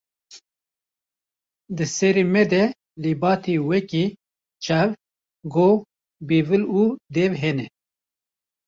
Di serê me de lebatên weke: çav, guh, bêvil û dev hene.